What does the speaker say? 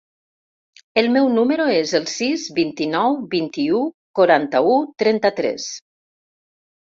El meu número es el sis, vint-i-nou, vint-i-u, quaranta-u, trenta-tres.